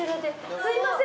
すみません